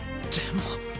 でも。